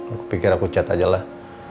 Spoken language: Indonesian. aku pikir aku cat aja lah